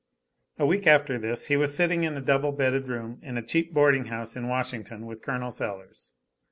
A week after this, he was sitting in a double bedded room in a cheap boarding house in Washington, with Col. Sellers.